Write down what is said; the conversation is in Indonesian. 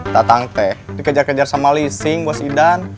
tatang teh dikejar kejar sama leasing bos idan